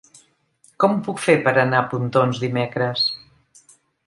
Com ho puc fer per anar a Pontons dimecres?